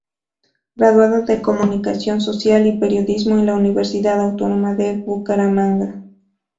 Graduada de Comunicación social y Periodismo en la Universidad Autónoma de Bucaramanga.